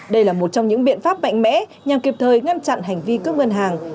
đây là một trong những biện pháp mạnh mẽ nhằm kịp thời ngăn chặn hành vi cướp ngân hàng